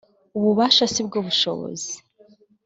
ububasha sibwo bushobozi.